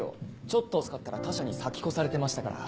ちょっと遅かったら他社に先越されてましたから。